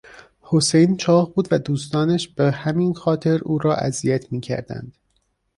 حسین چاق بود و دوستانش به همین خاطر او را اذیت میکردند.